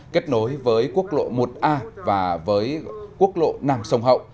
kết nối với quốc lộ một a và với quốc lộ nam sông hậu